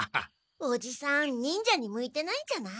おじさん忍者に向いてないんじゃない？